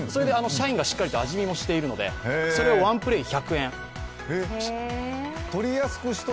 社員がしっかりと味見をしているので、それを１プレイ１００円。